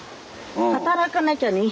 働かなきゃね